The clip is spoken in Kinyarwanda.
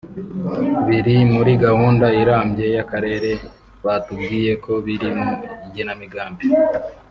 biri muri gahunda irambye y’akarere batubwiye ko biri mu igenamigambi